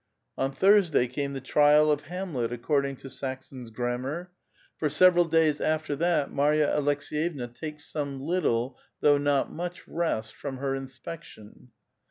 On Thursday came the "Trial of Hamlet," according to Sakson's Grammar. For several days after that, Marva Aleks^yevna takes some little — though not much — rest from her inspection.